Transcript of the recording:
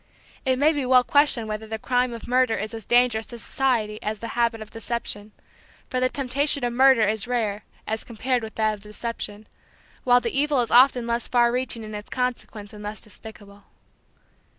It may be well questioned whether the crime of murder is as dangerous to society as the habit of deception, for the temptation of murder is rare as compared with that of deception; while the evil is often less far reaching in its consequence and less despicable.